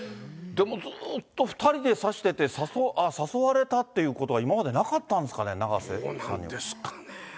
でもずーっと２人で指してて、誘われたっていうことは今までなどうなんですかね、あれはね。